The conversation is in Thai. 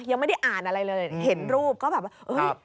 ยังไม่ได้อ่านอะไรเลยเห็นรูปก็แบบว่าเฮ้ย